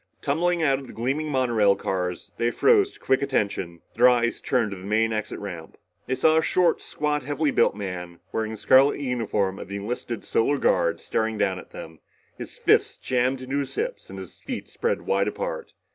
Tumbling out of the gleaming monorail cars, they froze to quick attention, their eyes turned to the main exit ramp. They saw a short, squat, heavily built man, wearing the scarlet uniform of the enlisted Solar Guard, staring down at them, his fists jammed into his hips and his feet spread wide apart.